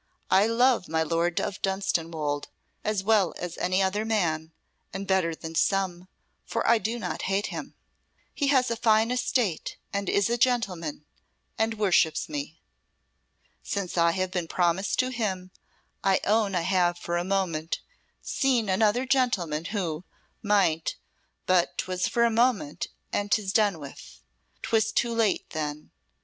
I love my Lord of Dunstanwolde as well as any other man, and better than some, for I do not hate him. He has a fine estate, and is a gentleman and worships me. Since I have been promised to him, I own I have for a moment seen another gentleman who might but 'twas but for a moment, and 'tis done with. 'Twas too late then.